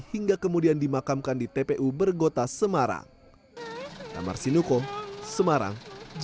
hingga kemudian dimakamkan di tpu bergota semarang